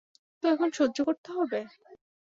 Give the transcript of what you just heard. তো এখন সহ্য করতে হবে!